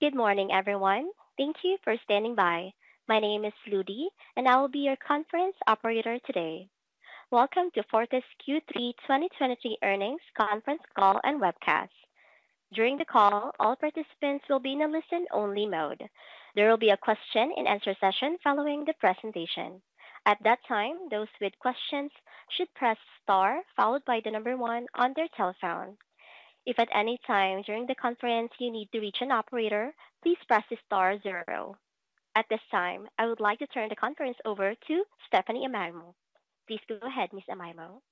Good morning, everyone. Thank you for standing by. My name is Ludy, and I will be your conference operator today. Welcome to Fortis Q3 2023 earnings conference call and webcast. During the call, all participants will be in a listen-only mode. There will be a question-and-answer session following the presentation. At that time, those with questions should press star followed by the number one on their telephone. If at any time during the conference you need to reach an operator, please press star zero. At this time, I would like to turn the conference over to Stephanie Amaimo. Please go ahead, Miss Amaimo.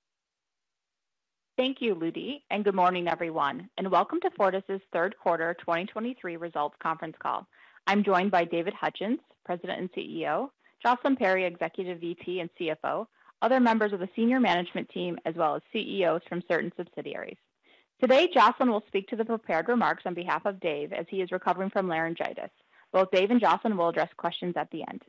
Thank you, Ludy, and good morning, everyone, and welcome to Fortis's third quarter 2023 results conference call. I'm joined by David Hutchens, President and CEO, Jocelyn Perry, Executive VP and CFO, other members of the senior management team, as well as CEOs from certain subsidiaries. Today, Jocelyn will speak to the prepared remarks on behalf of Dave as he is recovering from laryngitis. Both Dave and Jocelyn will address questions at the end.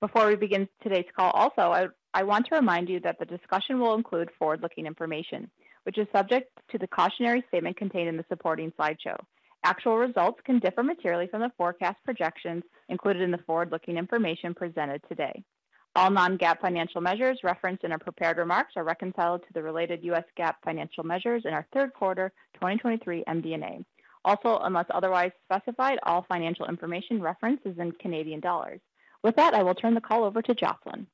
Before we begin today's call, also, I want to remind you that the discussion will include forward-looking information, which is subject to the cautionary statement contained in the supporting slideshow. Actual results can differ materially from the forecast projections included in the forward-looking information presented today. All non-GAAP financial measures referenced in our prepared remarks are reconciled to the related U.S. GAAP financial measures in our third quarter 2023 MD&A. Also, unless otherwise specified, all financial information referenced is in Canadian dollars. With that, I will turn the call over to Jocelyn.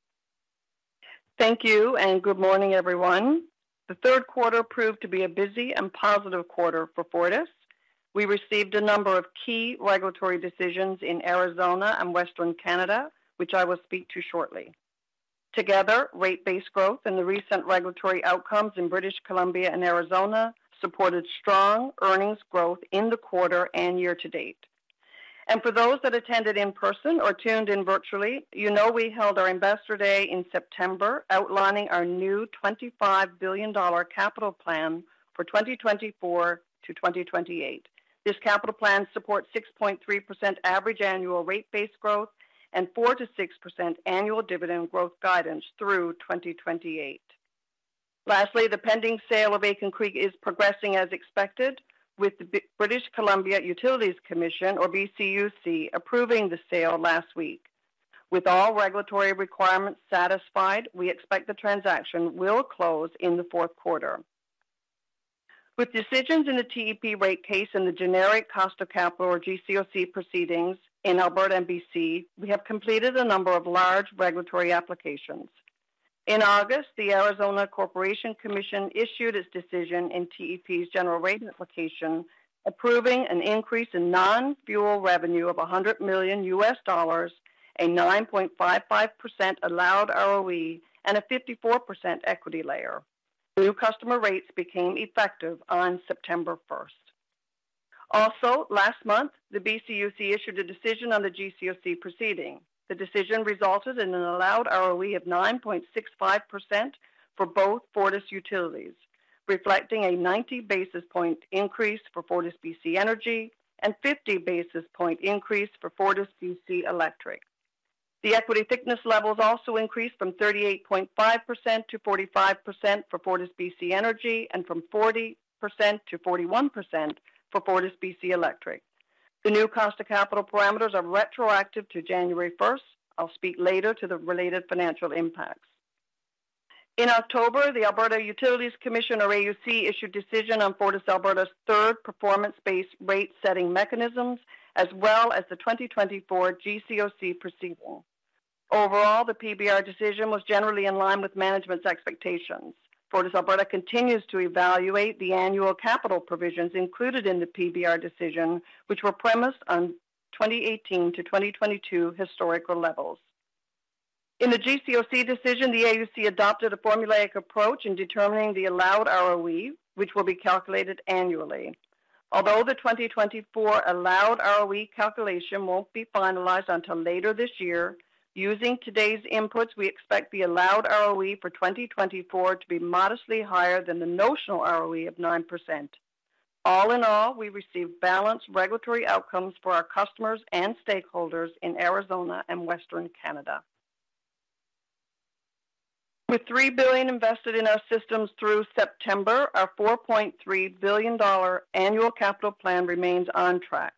Thank you and good morning, everyone. The third quarter proved to be a busy and positive quarter for Fortis. We received a number of key regulatory decisions in Arizona and Western Canada, which I will speak to shortly. Together, rate based growth and the recent regulatory outcomes in British Columbia and Arizona supported strong earnings growth in the quarter and year-to-date. For those that attended in person or tuned in virtually, you know we held our Investor Day in September, outlining our new 25 billion dollar capital plan for 2024 to 2028. This capital plan supports 6.3% average annual rate based growth and 4%-6% annual dividend growth guidance through 2028. Lastly, the pending sale of Aitken Creek is progressing as expected, with the British Columbia Utilities Commission, or BCUC, approving the sale last week. With all regulatory requirements satisfied, we expect the transaction will close in the fourth quarter. With decisions in the TEP rate case and the Generic Cost of Capital or GCOC proceedings in Alberta and BC, we have completed a number of large regulatory applications. In August, the Arizona Corporation Commission issued its decision in TEP's general rate application, approving an increase in non-fuel revenue of $100 million, a 9.55% allowed ROE, and a 54% equity layer. New customer rates became effective on September 1st. Also, last month, the BCUC issued a decision on the GCOC proceeding. The decision resulted in an allowed ROE of 9.65% for both Fortis utilities, reflecting a 90 basis point increase for FortisBC Energy and 50 basis point increase for FortisBC Electric. The equity thickness levels also increased from 38.5%-45% for FortisBC Energy and from 40%-41% for FortisBC Electric. The new cost of capital parameters are retroactive to January 1st. I'll speak later to the related financial impacts. In October, the Alberta Utilities Commission, or AUC, issued decision on FortisAlberta's third performance-based rate-setting mechanisms, as well as the 2024 GCOC proceeding. Overall, the PBR decision was generally in line with management's expectations. FortisAlberta continues to evaluate the annual capital provisions included in the PBR decision, which were premised on 2018-2022 historical levels. In the GCOC decision, the AUC adopted a formulaic approach in determining the allowed ROE, which will be calculated annually. Although the 2024 allowed ROE calculation won't be finalized until later this year, using today's inputs, we expect the allowed ROE for 2024 to be modestly higher than the notional ROE of 9%. All in all, we received balanced regulatory outcomes for our customers and stakeholders in Arizona and Western Canada. With 3 billion invested in our systems through September, our 4.3 billion dollar annual capital plan remains on track.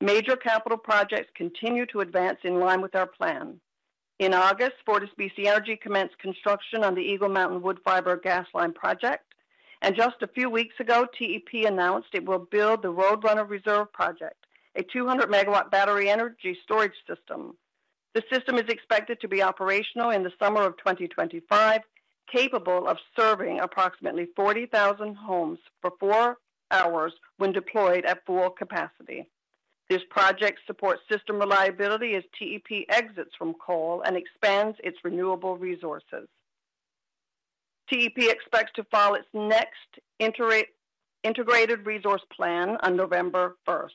Major capital projects continue to advance in line with our plan. In August, FortisBC Energy commenced construction on the Eagle Mountain Woodfibre Gas Line project, and just a few weeks ago, TEP announced it will build the Roadrunner Reserve Project, a 200 MW battery energy storage system. The system is expected to be operational in the summer of 2025, capable of serving approximately 40,000 homes for 4 hours when deployed at full capacity. This project supports system reliability as TEP exits from coal and expands its renewable resources. TEP expects to file its next Integrated Resource Plan on November 1st.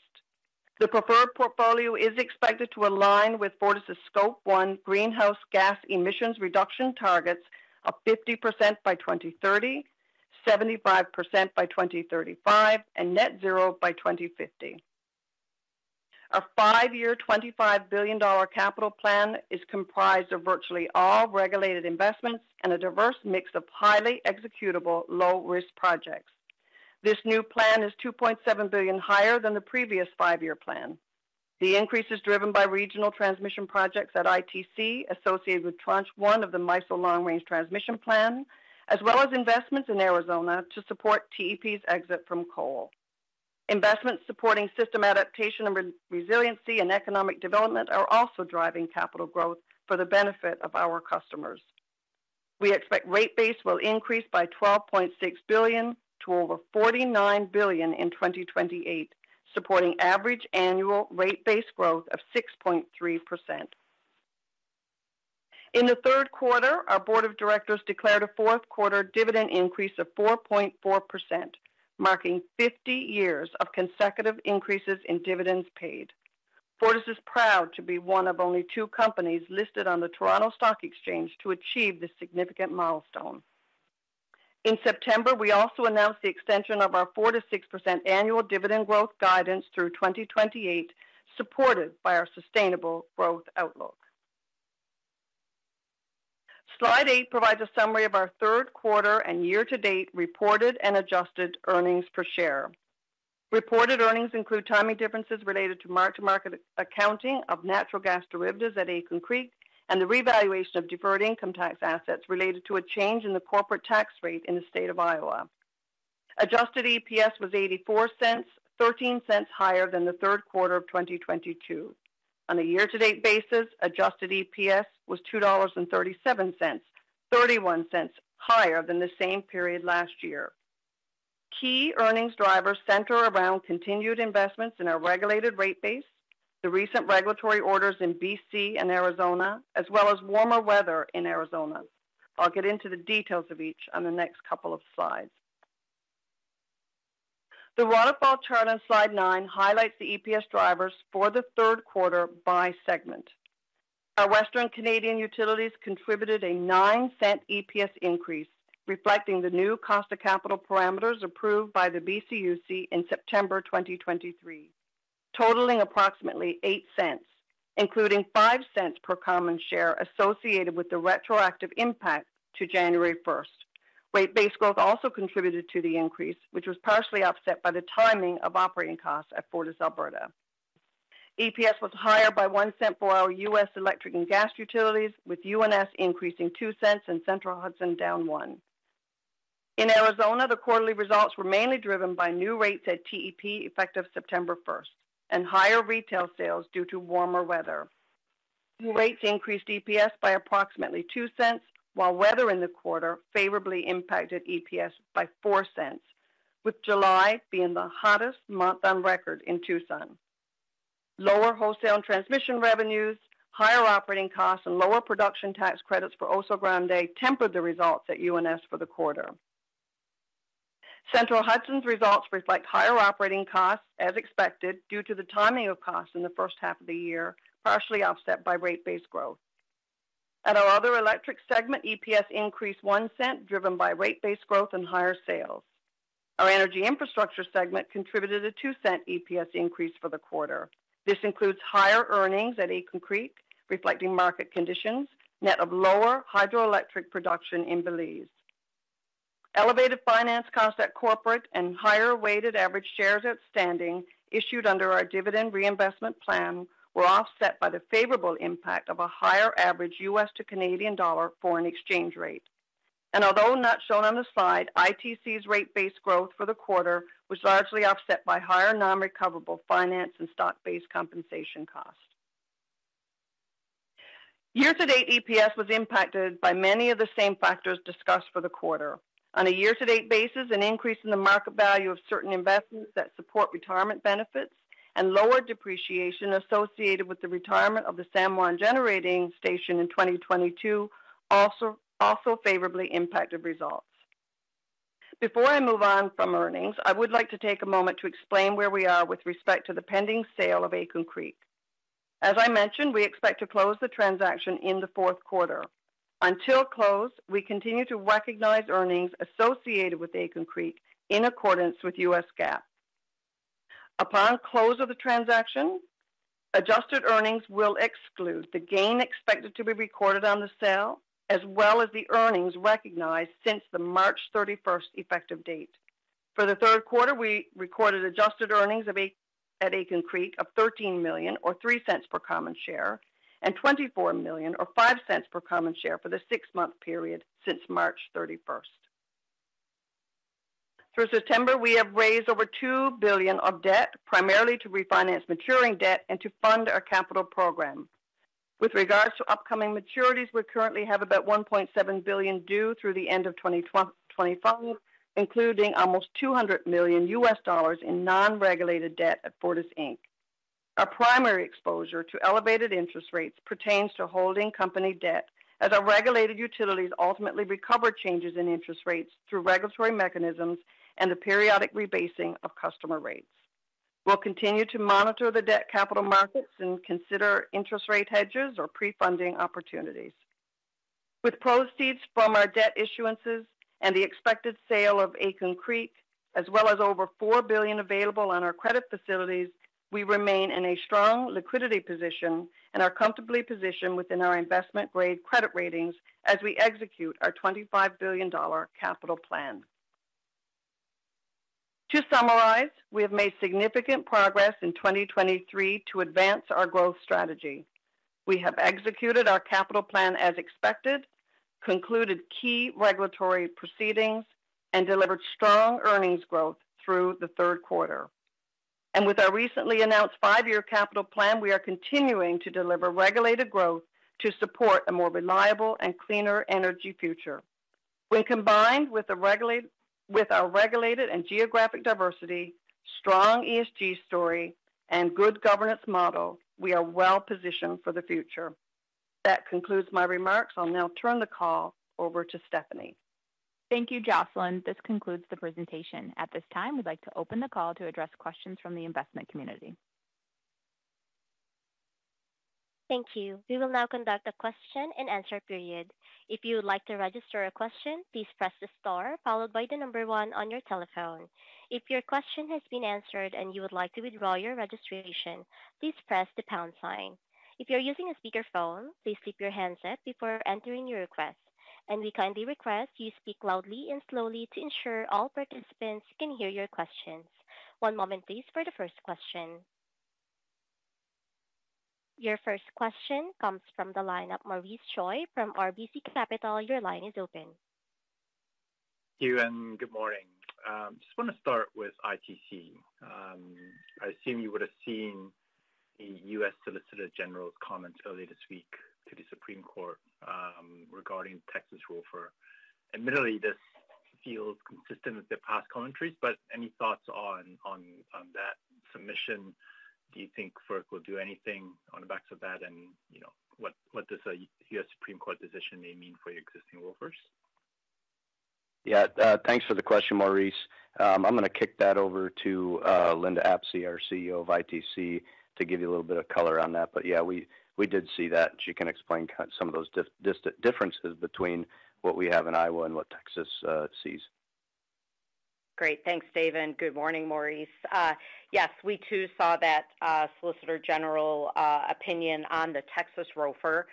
The preferred portfolio is expected to align with Fortis' Scope 1 greenhouse gas emissions reduction targets of 50% by 2030, 75% by 2035, and net zero by 2050. Our five year, 25 billion dollar capital plan is comprised of virtually all regulated investments and a diverse mix of highly executable, low-risk projects. This new plan is 2.7 billion higher than the previous five-year plan. The increase is driven by regional transmission projects at ITC, associated with Tranche 1 of the MISO Long Range Transmission Plan, as well as investments in Arizona to support TEP's exit from coal. Investments supporting system adaptation and re-resiliency and economic development are also driving capital growth for the benefit of our customers. We expect rate base will increase by 12.6 billion to over 49 billion in 2028, supporting average annual rate base growth of 6.3%. In the third quarter, our board of directors declared a fourth quarter dividend increase of 4.4%, marking 50 years of consecutive increases in dividends paid. Fortis is proud to be one of only two companies listed on the Toronto Stock Exchange to achieve this significant milestone. In September, we also announced the extension of our 4%-6% annual dividend growth guidance through 2028, supported by our sustainable growth outlook. Slide eight provides a summary of our third quarter and year-to-date reported and adjusted earnings per share. Reported earnings include timing differences related to mark-to-market accounting of natural gas derivatives at Aitken Creek, and the revaluation of deferred income tax assets related to a change in the corporate tax rate in the state of Iowa. Adjusted EPS was 0.84, 0.13 higher than the third quarter of 2022. On a year-to-date basis, adjusted EPS was 2.37 dollars, 0.31 higher than the same period last year. Key earnings drivers center around continued investments in our regulated rate base, the recent regulatory orders in BC and Arizona, as well as warmer weather in Arizona. I'll get into the details of each on the next couple of slides. The waterfall chart on slide nine highlights the EPS drivers for the third quarter by segment. Our Western Canadian utilities contributed a 0.09 EPS increase, reflecting the new cost of capital parameters approved by the BCUC in September 2023, totaling approximately 0.08, including 0.05 per common share associated with the retroactive impact to January first. Rate base growth also contributed to the increase, which was partially offset by the timing of operating costs at FortisAlberta. EPS was higher by 0.01 for our US Electric and Gas Utilities, with UNS increasing 0.02 and Central Hudson down 0.01. In Arizona, the quarterly results were mainly driven by new rates at TEP, effective September first, and higher retail sales due to warmer weather. New rates increased EPS by approximately 0.02, while weather in the quarter favorably impacted EPS by 0.04, with July being the hottest month on record in Tucson. Lower wholesale and transmission revenues, higher operating costs, and lower production tax credits for Oso Grande tempered the results at UNS for the quarter. Central Hudson's results reflect higher operating costs as expected, due to the timing of costs in the first half of the year, partially offset by rate-based growth. At our other electric segment, EPS increased 0.01, driven by rate-based growth and higher sales. Our energy infrastructure segment contributed a 0.02 EPS increase for the quarter. This includes higher earnings at Aitken Creek, reflecting market conditions, net of lower hydroelectric production in Belize. Elevated finance costs at corporate and higher weighted average shares outstanding issued under our dividend reinvestment plan were offset by the favorable impact of a higher average U.S. to Canadian dollar foreign exchange rate. Although not shown on the slide, ITC's rate-based growth for the quarter was largely offset by higher non-recoverable finance and stock-based compensation costs. Year-to-date, EPS was impacted by many of the same factors discussed for the quarter. On a year-to-date basis, an increase in the market value of certain investments that support retirement benefits and lower depreciation associated with the retirement of the San Juan Generating Station in 2022 also favorably impacted results. Before I move on from earnings, I would like to take a moment to explain where we are with respect to the pending sale of Aitken Creek. As I mentioned, we expect to close the transaction in the fourth quarter. Until close, we continue to recognize earnings associated with Aitken Creek in accordance with U.S. GAAP. Upon close of the transaction, adjusted earnings will exclude the gain expected to be recorded on the sale, as well as the earnings recognized since the March 31st effective date. For the third quarter, we recorded adjusted earnings at Aitken Creek of 13 million or 0.03 per common share, and 24 million or 0.05 per common share for the six month period since March 31st. Through September, we have raised over 2 billion of debt, primarily to refinance maturing debt and to fund our capital program. With regards to upcoming maturities, we currently have about 1.7 billion due through the end of 2025, including almost $200 million U.S. dollars in non-regulated debt at Fortis Inc. Our primary exposure to elevated interest rates pertains to holding company debt, as our regulated utilities ultimately recover changes in interest rates through regulatory mechanisms and the periodic rebasing of customer rates. We'll continue to monitor the debt capital markets and consider interest rate hedges or pre-funding opportunities. With proceeds from our debt issuances and the expected sale of Aitken Creek, as well as over 4 billion available on our credit facilities, we remain in a strong liquidity position and are comfortably positioned within our investment grade credit ratings as we execute our 25 billion dollar capital plan. To summarize, we have made significant progress in 2023 to advance our growth strategy. We have executed our capital plan as expected, concluded key regulatory proceedings, and delivered strong earnings growth through the third quarter. With our recently announced five-year capital plan, we are continuing to deliver regulated growth to support a more reliable and cleaner energy future. When combined with our regulated and geographic diversity, strong ESG story, and good governance model, we are well positioned for the future. That concludes my remarks. I'll now turn the call over to Stephanie. Thank you, Jocelyn. This concludes the presentation. At this time, we'd like to open the call to address questions from the investment community. Thank you. We will now conduct a question-and-answer period. If you would like to register a question, please press star followed by the number one on your telephone. If your question has been answered and you would like to withdraw your registration, please press the pound sign. If you're using a speakerphone, please keep your handset before entering your request, and we kindly request you speak loudly and slowly to ensure all participants can hear your questions. One moment please, for the first question. Your first question comes from the line of Maurice Choy from RBC Capital. Your line is open. Thank you and good morning. Just want to start with ITC. I assume you would have seen the U.S. Solicitor General's comments earlier this week to the Supreme Court, regarding Texas ROFR. Admittedly, this feels consistent with their past commentaries, but any thoughts on that submission? Do you think FERC will do anything on the backs of that? And you know, what does a U.S. Supreme Court position may mean for your existing ROFRs? Yeah, thanks for the question, Maurice. I'm going to kick that over to Linda Apsey, our CEO of ITC, to give you a little bit of color on that. But yeah, we did see that. She can explain some of those distinct differences between what we have in Iowa and what Texas sees. Great. Thanks, Dave, and good morning, Maurice. Yes, we too saw that Solicitor General opinion on the Texas ROFR.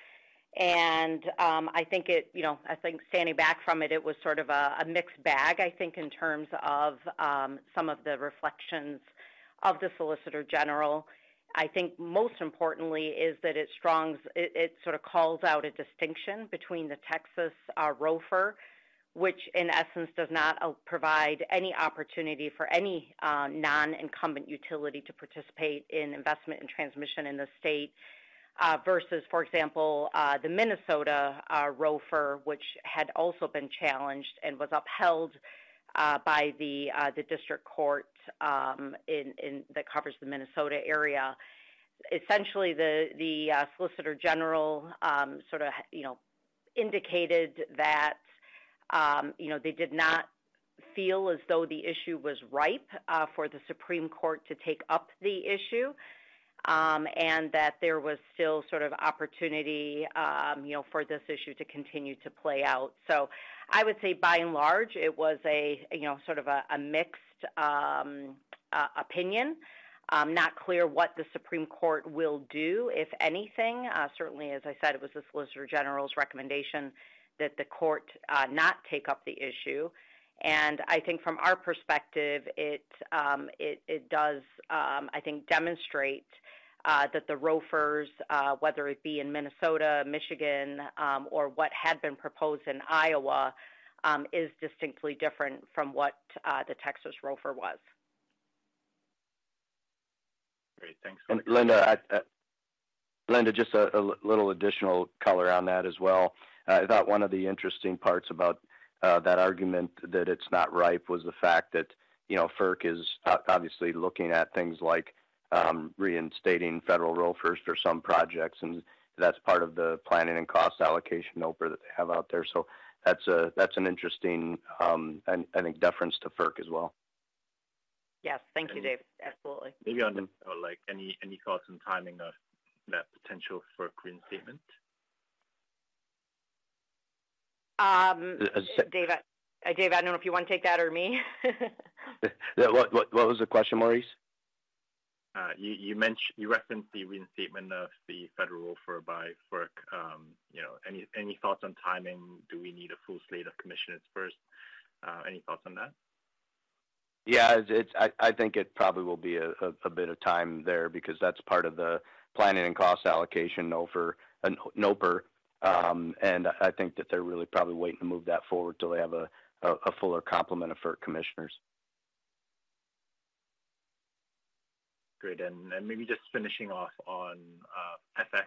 And I think it, you know, I think standing back from it, it was sort of a mixed bag, I think, in terms of some of the reflections of the Solicitor General. I think most importantly is that it strengthens it sort of calls out a distinction between the Texas ROFR, which in essence does not provide any opportunity for any non-incumbent utility to participate in investment and transmission in the state versus, for example, the Minnesota ROFR, which had also been challenged and was upheld by the district court in that covers the Minnesota area. Essentially, the Solicitor General sort of, you know, indicated that, you know, they did not feel as though the issue was ripe for the Supreme Court to take up the issue, and that there was still sort of opportunity, you know, for this issue to continue to play out. So I would say by and large, it was a, you know, sort of a mixed opinion. Not clear what the Supreme Court will do, if anything. Certainly, as I said, it was the Solicitor General's recommendation that the court not take up the issue. I think from our perspective, it does, I think, demonstrate that the ROFRs, whether it be in Minnesota, Michigan, or what had been proposed in Iowa, is distinctly different from what the Texas ROFR was. Great. Thanks. And Linda, Linda, just a little additional color on that as well. I thought one of the interesting parts about that argument that it's not ripe was the fact that, you know, FERC is obviously looking at things like reinstating federal ROFRs for some projects, and that's part of the planning and cost allocation NOPR that they have out there. So that's an interesting, and I think deference to FERC as well. Yes. Thank you, Dave. Absolutely. Maybe on the, like, any, any thoughts on timing of that potential for a reinstatement? Dave, Dave, I don't know if you want to take that or me. Yeah. What, what, what was the question, Maurice? You mentioned, you referenced the reinstatement of the federal ROFR by FERC. You know, any thoughts on timing? Do we need a full slate of commissioners first? Any thoughts on that? Yeah, it's. I think it probably will be a bit of time there because that's part of the planning and cost allocation NOPR, NOPR. And I think that they're really probably waiting to move that forward till they have a fuller complement of FERC commissioners. Great. And maybe just finishing off on FX.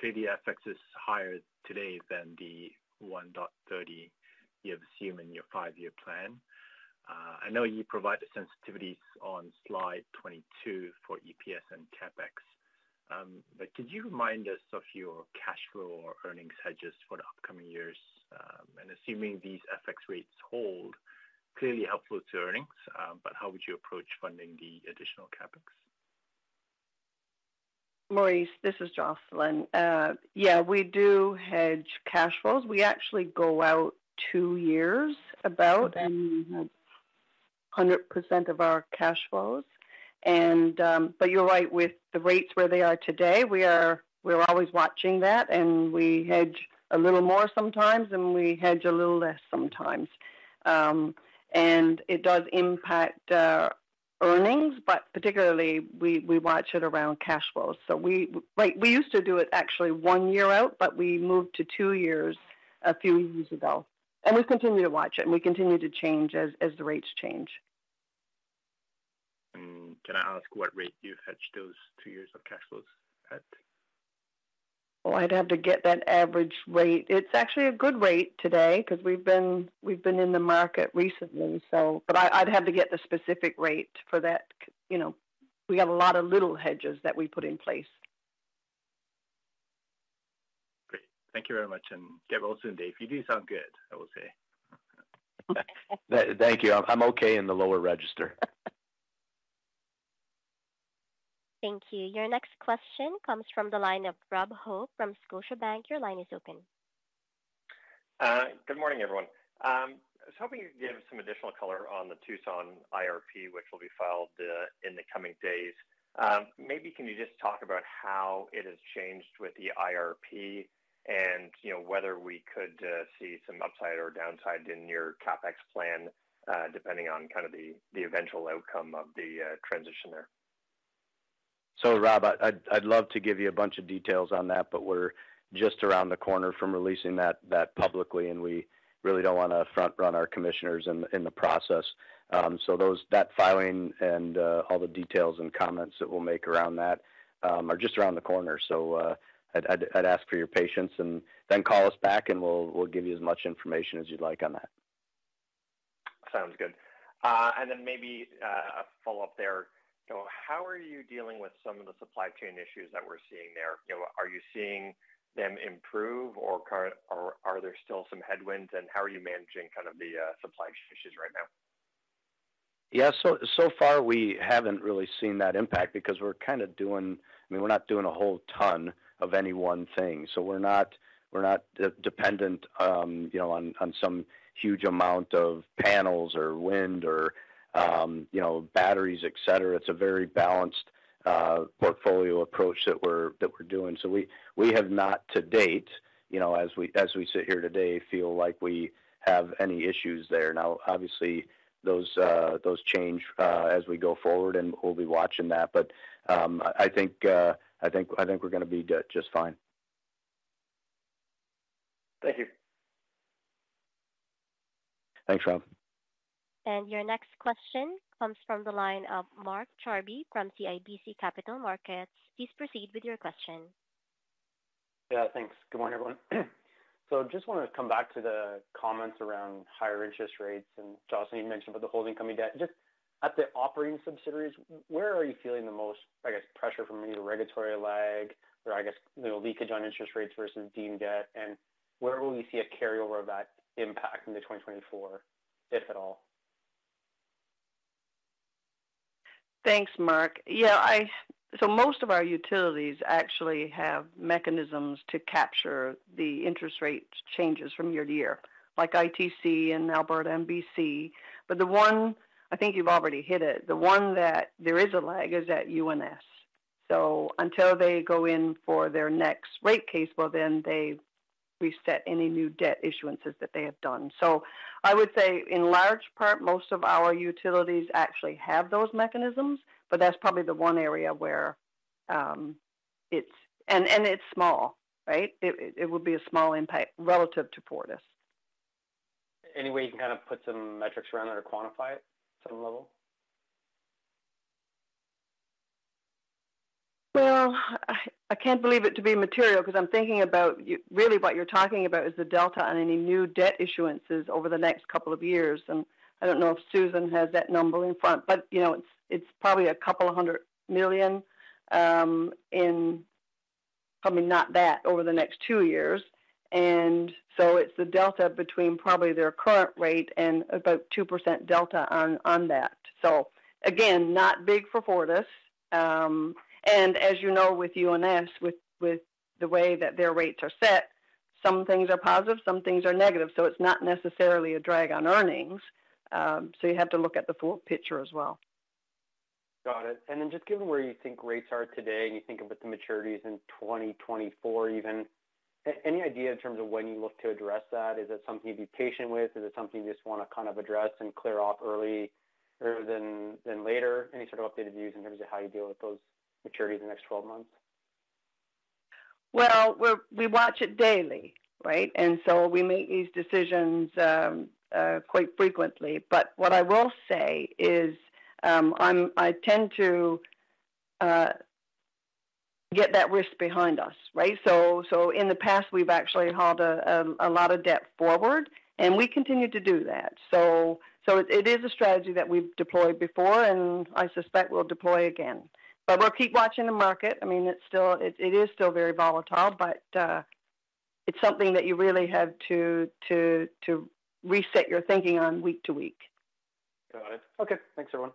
Clearly, FX is higher today than the 1.30 you have assumed in your five-year plan. I know you provide the sensitivities on slide 22 for EPS and CapEx, but could you remind us of your cash flow or earnings hedges for the upcoming years? And assuming these FX rates hold, clearly helpful to earnings, but how would you approach funding the additional CapEx? Maurice, this is Jocelyn. Yeah, we do hedge cash flows. We actually go out two years ahead and 100% of our cash flows. And, but you're right, with the rates where they are today, we are. We're always watching that, and we hedge a little more sometimes, and we hedge a little less sometimes. And it does impact earnings, but particularly, we watch it around cash flows. Right, we used to do it actually one year out, but we moved to two years a few years ago, and we continue to watch it, and we continue to change as the rates change. Can I ask what rate you hedge those two years of cash flows at? Well, I'd have to get that average rate. It's actually a good rate today because we've been, we've been in the market recently, so... But I, I'd have to get the specific rate for that. You know, we have a lot of little hedges that we put in place. Great. Thank you very much, and get well soon, Dave. You do sound good, I will say. Thank you. I'm okay in the lower register. Thank you. Your next question comes from the line of Rob Hope from Scotiabank. Your line is open. Good morning, everyone. I was hoping you could give some additional color on the Tucson IRP, which will be filed in the coming days. Maybe can you just talk about how it has changed with the IRP and, you know, whether we could see some upside or downside in your CapEx plan, depending on kind of the eventual outcome of the transition there? So, Rob, I'd love to give you a bunch of details on that, but we're just around the corner from releasing that publicly, and we really don't want to front-run our commissioners in the process. So that filing and all the details and comments that we'll make around that are just around the corner. So, I'd ask for your patience and then call us back, and we'll give you as much information as you'd like on that. Sounds good. Maybe a follow-up there. So how are you dealing with some of the supply chain issues that we're seeing there? You know, are you seeing them improve, or are there still some headwinds, and how are you managing kind of the supply issues right now? Yeah, so, so far, we haven't really seen that impact because we're kind of doing... I mean, we're not doing a whole ton of any one thing. So we're not, we're not dependent, you know, on, on some huge amount of panels or wind or, you know, batteries, et cetera. It's a very balanced portfolio approach that we're, that we're doing. So we, we have not to date, you know, as we, as we sit here today, feel like we have any issues there. Now, obviously, those change as we go forward, and we'll be watching that. But, I think, I think, I think we're going to be just fine. Thank you. Thanks, Rob. Your next question comes from the line of Mark Jarvi from CIBC Capital Markets. Please proceed with your question. Yeah, thanks. Good morning, everyone. So just wanted to come back to the comments around higher interest rates. And Jocelyn, you mentioned about the holding company debt. Just at the operating subsidiaries, where are you feeling the most, I guess, pressure from either regulatory lag or I guess, you know, leakage on interest rates versus deemed debt? And where will we see a carryover of that impact into 2024, if at all? Thanks, Mark. Yeah, so most of our utilities actually have mechanisms to capture the interest rate changes from year to year, like ITC in Alberta and BC. But the one, I think you've already hit it, the one that there is a lag is at UNS. So until they go in for their next rate case, well, then they reset any new debt issuances that they have done. So I would say, in large part, most of our utilities actually have those mechanisms, but that's probably the one area where it's... And it's small, right? It would be a small impact relative to Fortis. Any way you can kind of put some metrics around it or quantify it at some level? Well, I can't believe it to be material because I'm thinking about, really what you're talking about is the delta on any new debt issuances over the next couple of years, and I don't know if Susan has that number in front, but, you know, it's probably 200 million, in probably not that over the next two years. And so it's the delta between probably their current rate and about 2% delta on that. So again, not big for Fortis. And as you know, with UNS, with the way that their rates are set, some things are positive, some things are negative, so it's not necessarily a drag on earnings. So you have to look at the full picture as well. Got it. And then just given where you think rates are today, and you think about the maturities in 2024, even, any idea in terms of when you look to address that? Is it something to be patient with? Is it something you just want to kind of address and clear off early rather than later? Any sort of updated views in terms of how you deal with those maturities in the next 12 months? Well, we watch it daily, right? We make these decisions quite frequently. What I will say is, I tend to get that risk behind us, right? In the past, we've actually hauled a lot of debt forward, and we continue to do that. It is a strategy that we've deployed before, and I suspect we'll deploy again. We'll keep watching the market. I mean, it is still very volatile, but it's something that you really have to reset your thinking on week to week. Okay, thanks everyone.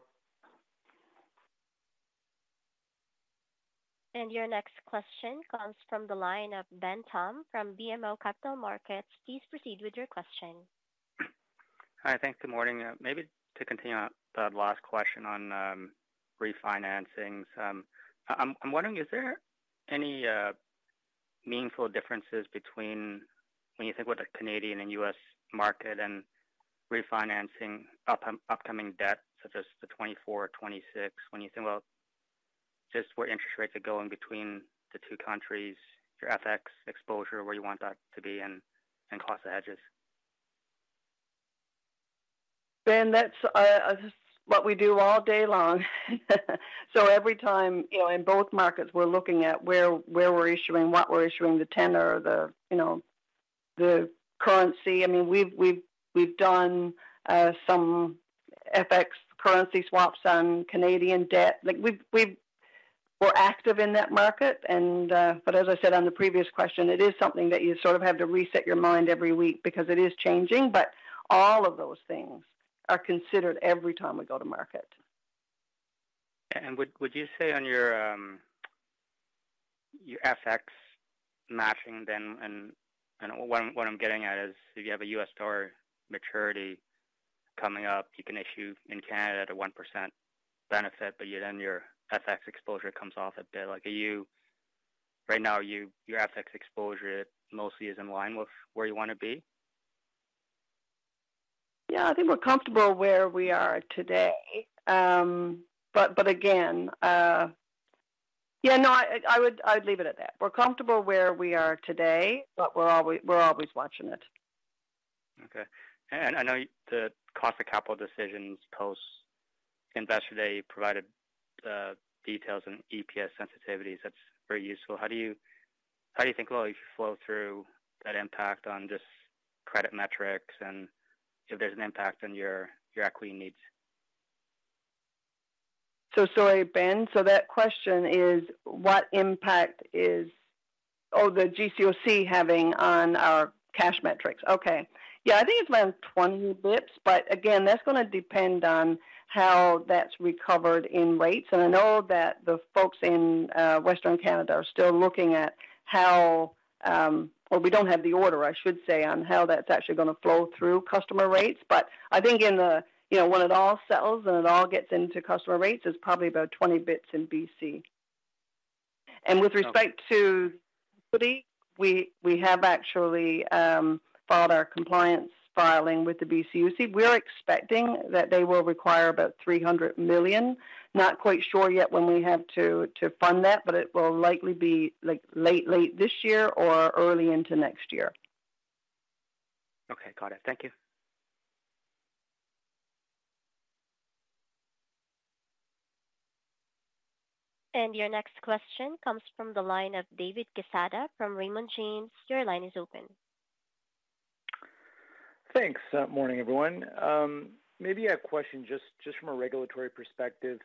Your next question comes from the line of Ben Pham from BMO Capital Markets. Please proceed with your question. Hi, thanks. Good morning. Maybe to continue on the last question on refinancings. I'm wondering, is there any meaningful differences between when you think about the Canadian and U.S. market and refinancing upcoming debt, such as the 2024 or 2026, when you think about just where interest rates are going between the two countries, your FX exposure, where you want that to be and cost of hedges? Ben, that's this is what we do all day long. So every time, you know, in both markets, we're looking at where we're issuing, what we're issuing, the tenor, you know, the currency. I mean, we've done some FX currency swaps on Canadian debt. Like, we're active in that market and but as I said on the previous question, it is something that you sort of have to reset your mind every week because it is changing, but all of those things are considered every time we go to market. Would you say on your FX matching then, what I'm getting at is if you have a US dollar maturity coming up, you can issue in Canada at a 1% benefit, but yet then your FX exposure comes off a bit. Like, are you—right now, is your FX exposure mostly in line with where you want to be? Yeah, I think we're comfortable where we are today. But again... Yeah, no, I would, I'd leave it at that. We're comfortable where we are today, but we're always watching it. Okay. And I know the cost of capital decisions post Investor Day provided details on EPS sensitivities. That's very useful. How do you think, well, you flow through that impact on just credit metrics and if there's an impact on your equity needs? So sorry, Ben. So that question is, what impact is the GCOC having on our cash metrics? Okay. Yeah, I think it's around 20 blips, but again, that's going to depend on how that's recovered in rates. And I know that the folks in western Canada are still looking at how... Well, we don't have the order, I should say, on how that's actually going to flow through customer rates. But I think in the, you know, when it all settles and it all gets into customer rates, it's probably about 20 bits in BC. And with respect to we, we have actually filed our compliance filing with the BCUC. We're expecting that they will require about 300 million. Not quite sure yet when we have to fund that, but it will likely be like late this year or early into next year. Okay, got it. Thank you. Your next question comes from the line of David Quezada from Raymond James. Your line is open. Thanks. Morning, everyone. Maybe a question just from a regulatory perspective.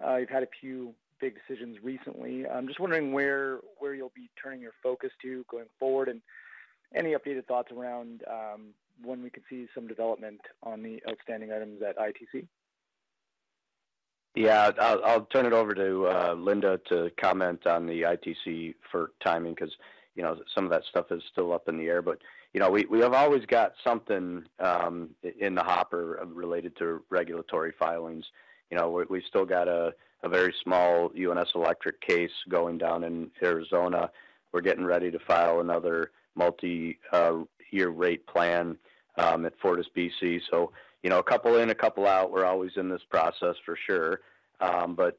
You've had a few big decisions recently. I'm just wondering where you'll be turning your focus to going forward, and any updated thoughts around when we could see some development on the outstanding items at ITC? Yeah, I'll, I'll turn it over to Linda to comment on the ITC for timing, because, you know, some of that stuff is still up in the air. But, you know, we, we have always got something in the hopper related to regulatory filings. You know, we, we still got a very small UNS Electric case going down in Arizona. We're getting ready to file another multi-year rate plan at FortisBC. So, you know, a couple in, a couple out. We're always in this process for sure, but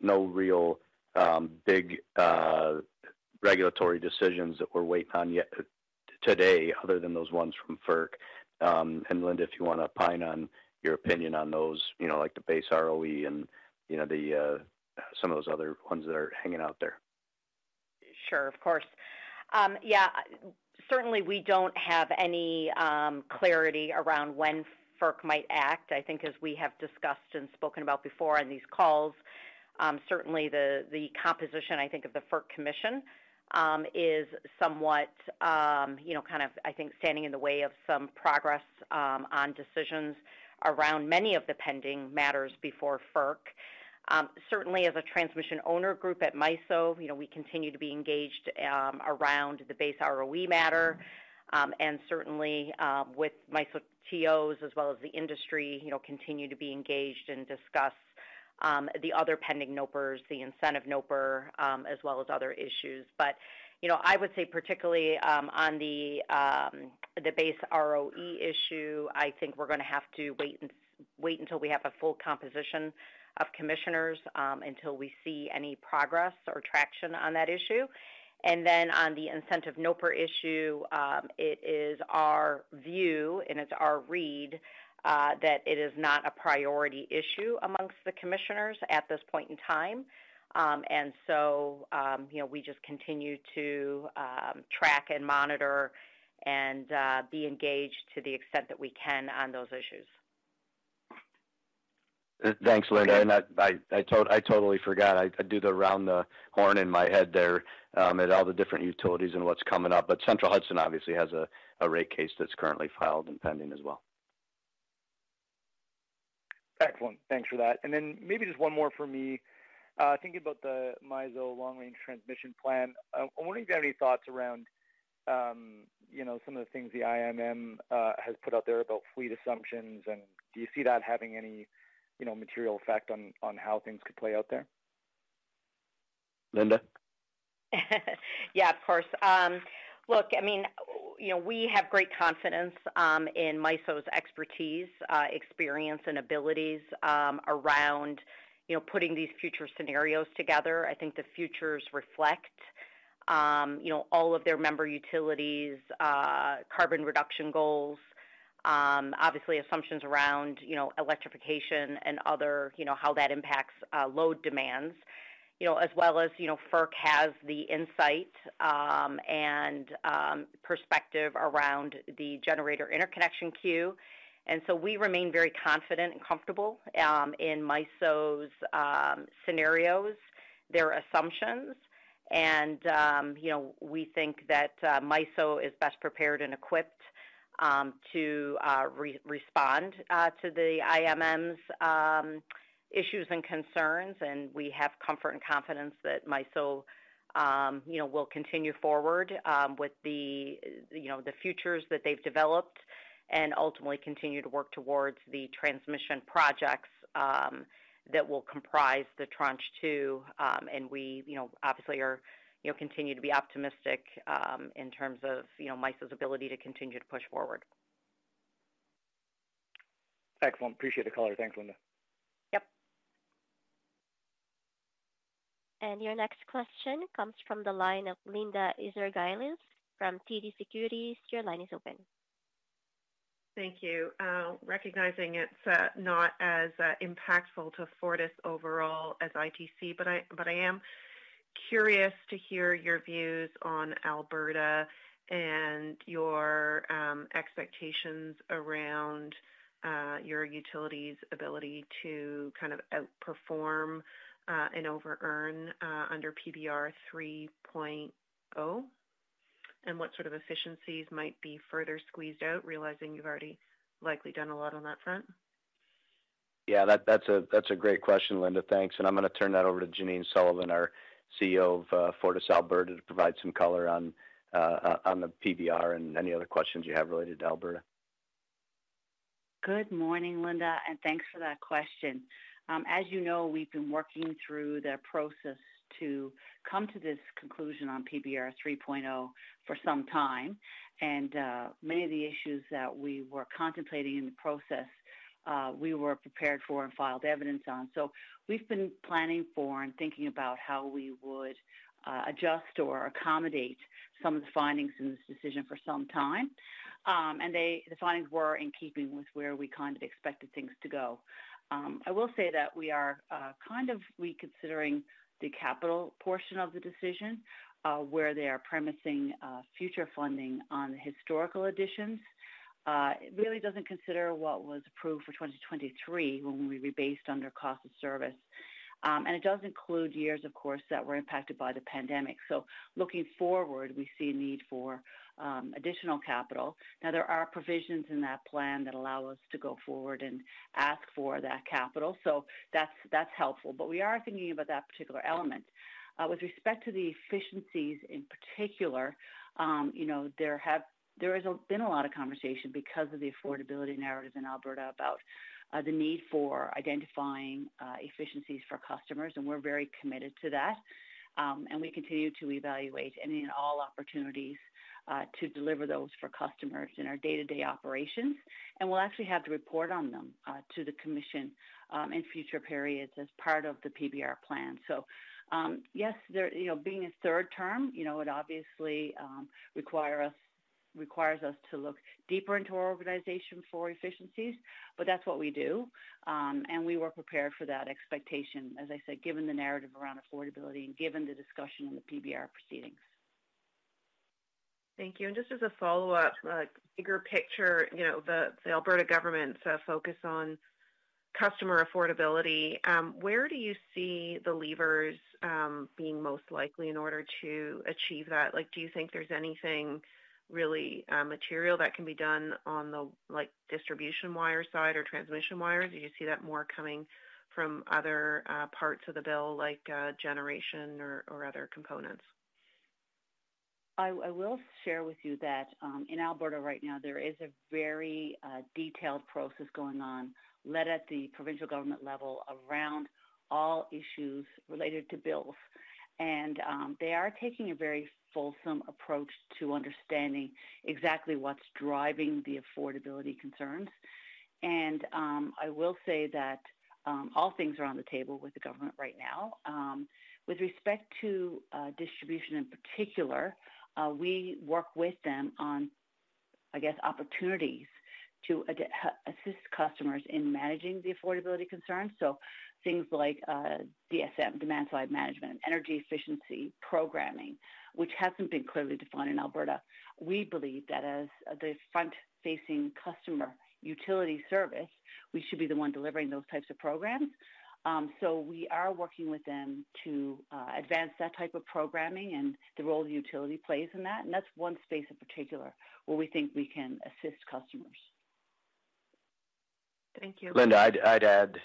no real big regulatory decisions that we're waiting on yet today, other than those ones from FERC. And Linda, if you want to opine on your opinion on those, you know, like the base ROE and, you know, the, some of those other ones that are hanging out there. Sure, of course. Yeah, certainly we don't have any clarity around when FERC might act. I think, as we have discussed and spoken about before on these calls, certainly the composition, I think, of the FERC commission is somewhat, you know, kind of, I think, standing in the way of some progress on decisions around many of the pending matters before FERC. Certainly as a transmission owner group at MISO, you know, we continue to be engaged around the base ROE matter, and certainly with MISO TOs as well as the industry, you know, continue to be engaged and discuss the other pending NOPRs, the incentive NOPR, as well as other issues. But, you know, I would say particularly on the base ROE issue, I think we're going to have to wait until, wait until we have a full composition of commissioners until we see any progress or traction on that issue. And then on the incentive NOPR issue, it is our view and it's our read that it is not a priority issue amongst the commissioners at this point in time. And so, you know, we just continue to track and monitor and be engaged to the extent that we can on those issues. Thanks, Linda. I totally forgot. I do the around the horn in my head there at all the different utilities and what's coming up. But Central Hudson obviously has a rate case that's currently filed and pending as well. Excellent. Thanks for that. Then maybe just one more for me. Thinking about the MISO Long Range Transmission Plan, I'm wondering if you have any thoughts around, you know, some of the things the IMM has put out there about fleet assumptions, and do you see that having any, you know, material effect on how things could play out there? Linda? Yeah, of course. Look, I mean, you know, we have great confidence in MISO's expertise, experience, and abilities around, you know, putting these future scenarios together. I think the futures reflect, you know, all of their member utilities, carbon reduction goals, obviously, assumptions around, you know, electrification and other, you know, how that impacts load demands. You know, as well as, you know, FERC has the insight and perspective around the generator interconnection queue. And so we remain very confident and comfortable in MISO's scenarios, their assumptions. And, you know, we think that MISO is best prepared and equipped to respond to the IMM's issues and concerns. We have comfort and confidence that MISO, you know, will continue forward with the, you know, the futures that they've developed and ultimately continue to work towards the transmission projects that will comprise the Tranche 2. We, you know, obviously are, you know, continue to be optimistic in terms of, you know, MISO's ability to continue to push forward. Excellent. Appreciate the color. Thanks, Linda. Yep. Your next question comes from the line of Linda Ezergailis from TD Securities. Your line is open. Thank you. Recognizing it's not as impactful to Fortis overall as ITC, but I, but I am curious to hear your views on Alberta and your expectations around your utility's ability to kind of outperform and overearn under PBR 3.0. And what sort of efficiencies might be further squeezed out, realizing you've already likely done a lot on that front? Yeah, that's a great question, Linda. Thanks. And I'm going to turn that over to Janine Sullivan, our CEO of FortisAlberta, to provide some color on the PBR and any other questions you have related to Alberta. Good morning, Linda, and thanks for that question. As you know, we've been working through the process to come to this conclusion on PBR 3.0 for some time. And, many of the issues that we were contemplating in the process, we were prepared for and filed evidence on. So we've been planning for and thinking about how we would adjust or accommodate some of the findings in this decision for some time. And the findings were in keeping with where we kind of expected things to go. I will say that we are kind of reconsidering the capital portion of the decision, where they are premising future funding on the historical additions. It really doesn't consider what was approved for 2023, when we rebased under cost of service. It does include years, of course, that were impacted by the pandemic. So looking forward, we see a need for additional capital. Now, there are provisions in that plan that allow us to go forward and ask for that capital, so that's, that's helpful. But we are thinking about that particular element. With respect to the efficiencies in particular, you know, there has been a lot of conversation because of the affordability narratives in Alberta about the need for identifying efficiencies for customers, and we're very committed to that. We continue to evaluate any and all opportunities to deliver those for customers in our day-to-day operations. We'll actually have to report on them to the commission in future periods as part of the PBR plan. So, yes, there, you know, being a third term, you know, it obviously requires us to look deeper into our organization for efficiencies, but that's what we do. We were prepared for that expectation, as I said, given the narrative around affordability and given the discussion in the PBR proceedings. Thank you. And just as a follow-up, like, bigger picture, you know, the Alberta government's focus on customer affordability, where do you see the levers being most likely in order to achieve that? Like, do you think there's anything really material that can be done on the, like, distribution wire side or transmission wires? Do you see that more coming from other parts of the bill, like, generation or other components? I will share with you that in Alberta right now, there is a very detailed process going on, led at the provincial government level around all issues related to bills. They are taking a very fulsome approach to understanding exactly what's driving the affordability concerns. I will say that all things are on the table with the government right now. With respect to distribution in particular, we work with them on opportunities to assist customers in managing the affordability concerns. So things like DSM, demand-side management, energy efficiency programming, which hasn't been clearly defined in Alberta. We believe that as the front-facing customer utility service, we should be the one delivering those types of programs. So we are working with them to advance that type of programming and the role the utility plays in that, and that's one space in particular where we think we can assist customers. Thank you. Linda, I'd add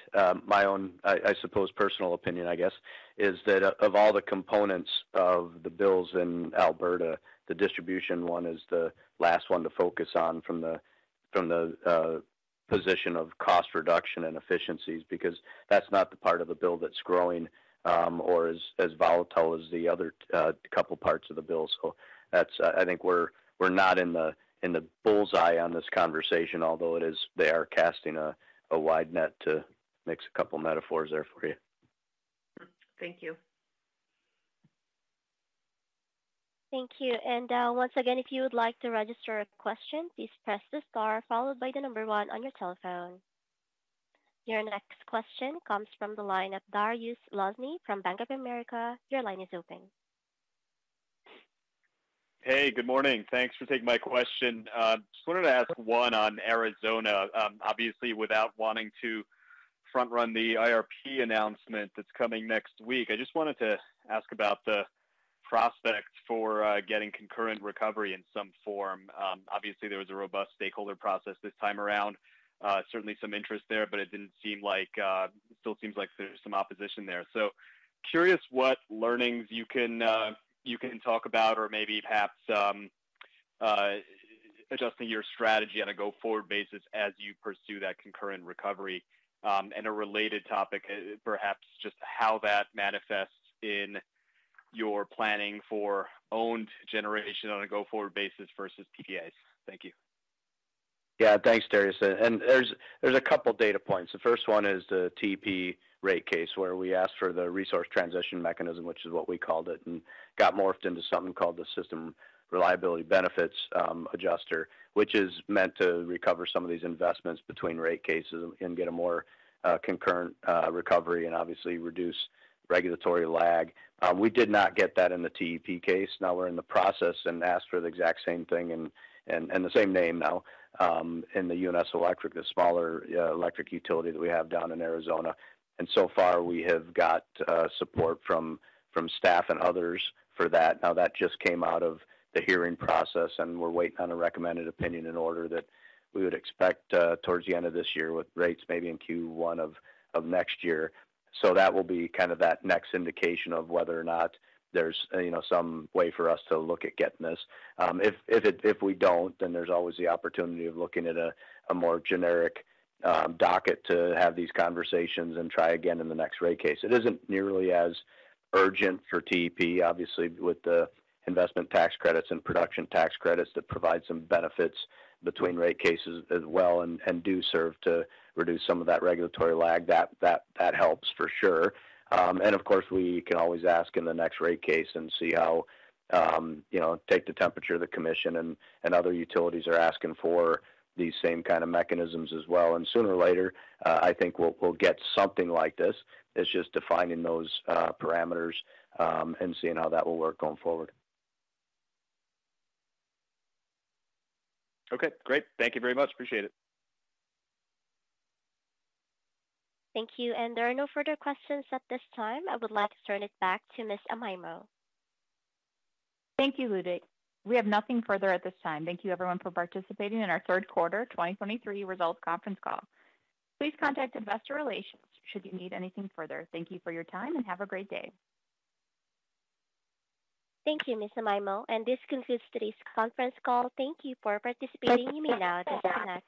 my own, I suppose personal opinion, I guess, is that of all the components of the bills in Alberta, the distribution one is the last one to focus on from the position of cost reduction and efficiencies, because that's not the part of the bill that's growing or as volatile as the other couple parts of the bill. So that's, I think we're not in the bull's eye on this conversation, although it is they are casting a wide net to mix a couple metaphors there for you. Thank you. Thank you. And, once again, if you would like to register a question, please press the star followed by the number one on your telephone. Your next question comes from the line of Dariusz Lozny from Bank of America. Your line is open. Hey, good morning. Thanks for taking my question. Just wanted to ask one on Arizona. Obviously, without wanting to front run the IRP announcement that's coming next week, I just wanted to ask about the prospects for getting concurrent recovery in some form. Obviously, there was a robust stakeholder process this time around. Certainly some interest there, but it didn't seem like it still seems like there's some opposition there. So curious what learnings you can you can talk about, or maybe perhaps adjusting your strategy on a go-forward basis as you pursue that concurrent recovery. And a related topic, perhaps just how that manifests in your planning for owned generation on a go-forward basis versus PPAs. Thank you. Yeah, thanks, Dariusz. And there's a couple data points. The first one is the TEP rate case, where we asked for the resource transition mechanism, which is what we called it, and got morphed into something called the System Reliability Benefits Adjuster, which is meant to recover some of these investments between rate cases and get a more concurrent recovery and obviously reduce regulatory lag. We did not get that in the TEP case. Now we're in the process and asked for the exact same thing and the same name now in the UNS Electric, a smaller electric utility that we have down in Arizona. And so far, we have got support from staff and others for that. Now, that just came out of the hearing process, and we're waiting on a recommended opinion and order that we would expect towards the end of this year, with rates maybe in Q1 of next year. So that will be kind of that next indication of whether or not there's, you know, some way for us to look at getting this. If we don't, then there's always the opportunity of looking at a more generic docket to have these conversations and try again in the next rate case. It isn't nearly as urgent for TEP, obviously, with the investment tax credits and production tax credits that provide some benefits between rate cases as well and do serve to reduce some of that regulatory lag. That helps for sure. Of course, we can always ask in the next rate case and see how, you know, take the temperature of the commission, and other utilities are asking for these same kind of mechanisms as well. Sooner or later, I think we'll get something like this. It's just defining those parameters and seeing how that will work going forward. Okay, great. Thank you very much. Appreciate it. Thank you. There are no further questions at this time. I would like to turn it back to Ms. Amaimo. Thank you, Ludy. We have nothing further at this time. Thank you, everyone, for participating in our third quarter 2023 results conference call. Please contact Investor Relations should you need anything further. Thank you for your time, and have a great day. Thank you, Ms. Amaimo. This concludes today's conference call. Thank you for participating. You may now disconnect.